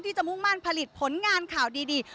จะมุ่งมั่นผลิตผลงานข่าวดี